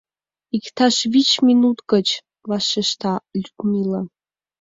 — Иктаж вич минут гыч! — вашешта Людмила.